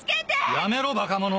やめろバカモノ！